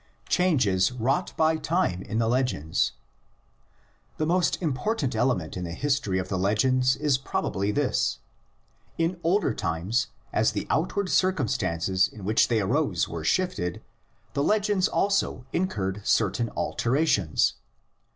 CHANGES WROUGHT BY TIME IN THE LEGENDS. The most important element in the history of the legends is probably this: in older times as the outward circumstances in which they arose were shifted, the legends also incurred certain alter ations.